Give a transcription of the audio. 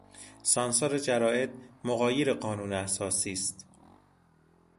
سانسور جرائد مغایر قانون اساسی است